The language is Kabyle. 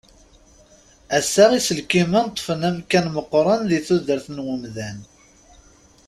Ass-a iselkimen ṭṭfen amkan meqqren di tudert n umdan.